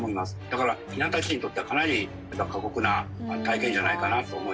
だからヒナたちにとってはかなり過酷な体験じゃないかなと思います。